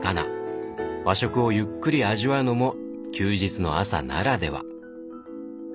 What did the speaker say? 和食をゆっくり味わうのも休日の朝ならでは。